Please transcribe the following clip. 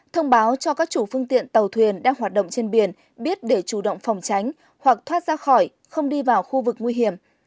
thông báo cho các chủ phương tiện tàu thuyền đang hoạt động trên biển biết để chủ động phòng tránh hoặc thoát ra khỏi không đi vào khu vực nguy hiểm